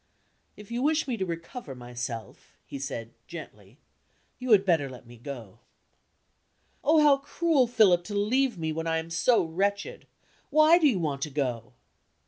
"If you wish me to recover myself," he said, gently, "you had better let me go." "Oh, how cruel, Philip, to leave me when I am so wretched! Why do you want to go?"